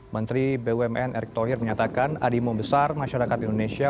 menteri bumn erick thohir menyatakan adimo besar masyarakat indonesia